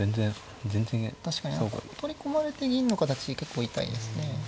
確かに取り込まれて銀の形結構痛いですね。